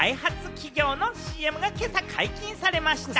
企業のＣＭが今朝、解禁されました。